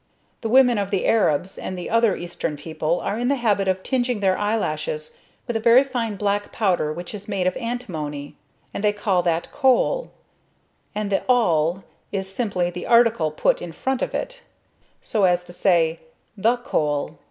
The women of the Arabs and other Eastern people are in the habit of tinging their eyelashes with a very fine black powder which is made of antimony, and they call that "kohol;" and the "al" is simply the article put in front of it, so as to say "the kohol."